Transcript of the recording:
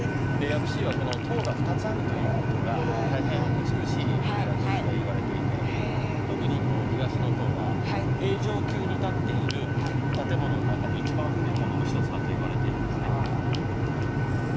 薬師寺は、この塔が２つあるということが大変美しいお寺として言われていて、特にこの東の塔は平城宮に建っている建物の中でいちばん古いものの一つだと言われているんですね。